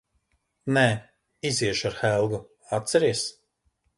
Nē. Iziešu ar Helgu, atceries?